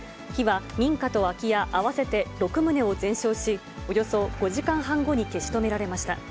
火は民家と空き家合わせて６棟を全焼し、およそ５時間半後に消し止められました。